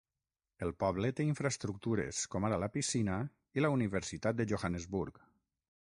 El poble té infraestructures com ara la piscina i la Universitat de Johannesburg.